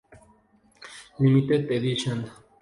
Limited Edition".